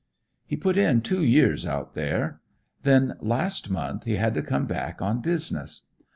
"He put in two years out there. Then, last month, he had to come back on business.